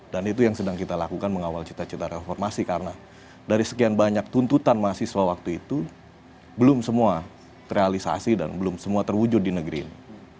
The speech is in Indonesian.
dan itu yang sedang kita lakukan mengawal cita cita reformasi karena dari sekian banyak tuntutan mahasiswa waktu itu belum semua kerealisasi dan belum semua terwujud di negeri ini